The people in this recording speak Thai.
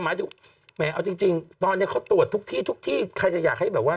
หมายถึงแหมเอาจริงตอนนี้เขาตรวจทุกที่ทุกที่ใครจะอยากให้แบบว่า